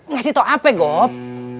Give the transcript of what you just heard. ngasih tau apa gop